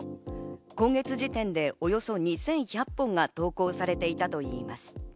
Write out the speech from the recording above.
今月時点でおよそ２１００本が投稿されていたといいます。